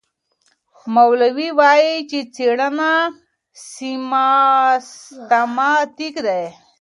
مولي وايي چي څېړنه سیستماتیکه ده.